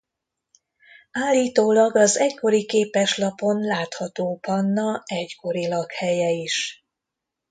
Állítólag az egykori képeslapon látható Panna egykori lakhelye is.